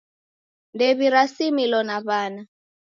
Ndew'irasimilo na w'ana.